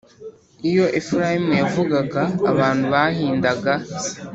Iyo Efurayimu yavugaga abantu bahindaga